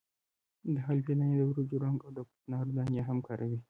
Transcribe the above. د حلبې دانې، د وریجو رنګ او د کوکنارو دانې هم کاروي.